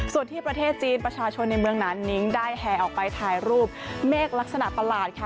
ส่วนที่ประเทศจีนประชาชนในเมืองนานนิ้งได้แห่ออกไปถ่ายรูปเมฆลักษณะประหลาดค่ะ